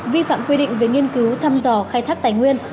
vi phạm quy định về nghiên cứu thăm dò khai thác tài nguyên